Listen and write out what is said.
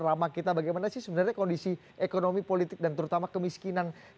ramah kita bagaimana sih sebenarnya kondisi ekonomi politik dan terutama kemiskinan